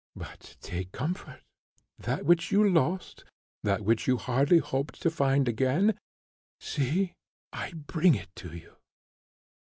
But, take comfort. That which you lost, that which you hardly hoped to find again, see, I bring it to you."